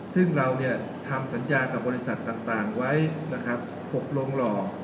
ซึ่งเราทำสัญญากับบริษัทต่างไว้นะครับ๖โรงหล่อ